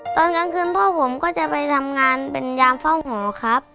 ตอนกลางคืนพ่อผมก็จะไปทำงานเป็นยามเฝ้าหมอครับ